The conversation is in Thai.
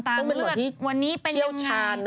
ต้องเป็นเหลือที่เชี่ยวชาญเนอะ